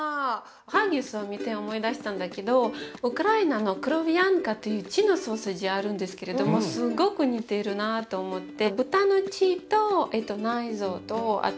ハギスを見て思い出したんだけどウクライナのクロヴィヤンカという血のソーセージあるんですけれどもすごく似てるなと思って。